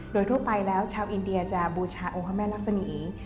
โดยทั่วไปแล้วชาวอินเดียจะบูชาองค์พระแม่รักษมี